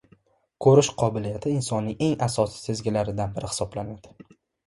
Ko‘rish qobiliyati insonning eng asosiy sezgilaridan biri hisoblanadi